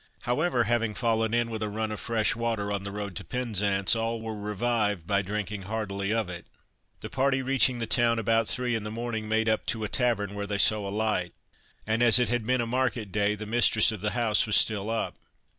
However, having fallen in with a run of fresh water on the road to Penzance, all were revived by drinking heartily of it. The party, reaching the town about three in the morning, made up to a tavern where they saw a light, and, as it had been a market day, the mistress of the house was still up.